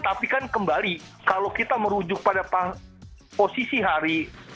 tapi kan kembali kalau kita merujuk pada posisi hari